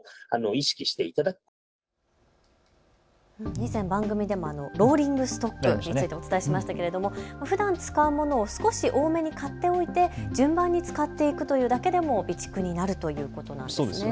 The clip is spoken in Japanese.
以前番組でもローリングストックについてお伝えしましたけれどもふだん使うものを少し多めに買っておいて順番に使っていくというだけでも備蓄になるということなんですよね。